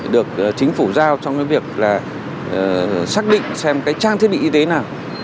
được chính phủ giao trong việc xác định xem trang thiết bị y tế nào